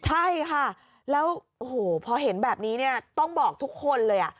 ใช่ค่ะแล้วพอเห็นแบบนี้ต้องบอกทุกคนเลย